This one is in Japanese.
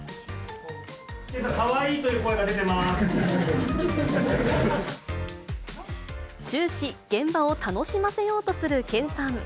研さん、かわいいという声が終始、現場を楽しませようとする研さん。